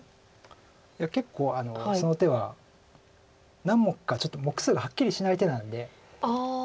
いや結構その手は何目かちょっと目数がはっきりしない手なんで。